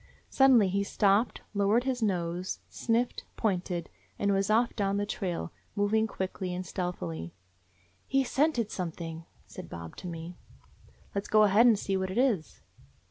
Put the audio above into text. Suddenly he stopped, lowered his nose, sniffed, pointed, and was off down the trail, moving quickly and stealthily. "He 's scented something," said Bob to me. "Let 's go ahead and see what it is."